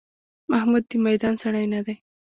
محمود د میدان سړی نه دی.